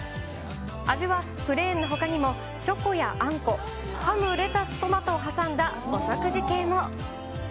味はプレーンのほかにも、チョコやあんこ、ハムレタストマトを挟んだお食事系も。